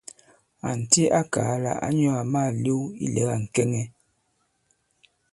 Ànti a kàa lā ǎ nyɔ̄ àma màlew ilɛ̀ga ŋ̀kɛŋɛ.